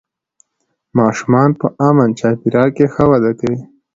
ماشومان په امن چاپېریال کې ښه وده کوي